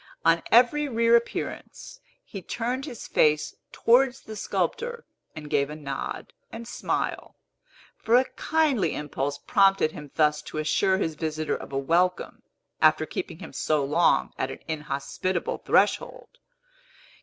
On every reappearance, he turned his face towards the sculptor and gave a nod and smile; for a kindly impulse prompted him thus to assure his visitor of a welcome, after keeping him so long at an inhospitable threshold.